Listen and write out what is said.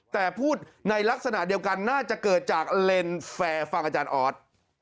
แต่พูดในลักษณะเดียวกันน่าจะเกิดจากเลนส์แฟร์ฟังอาจารย์ออส